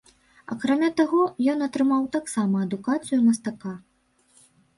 Акрамя таго, ён атрымаў таксама адукацыю мастака.